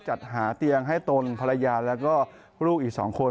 จัดหาเตียงให้ตนภรรยาแล้วก็ลูกอีก๒คน